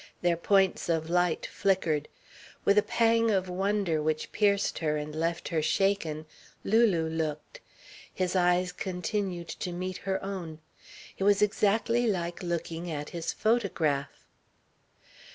Their points of light flickered. With a pang of wonder which pierced her and left her shaken, Lulu looked. His eyes continued to meet her own. It was exactly like looking at his photograph.